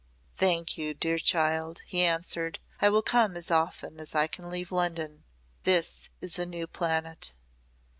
"Thank you, dear child," he answered. "I will come as often as I can leave London. This is a new planet."